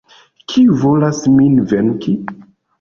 Kiu volas min venki?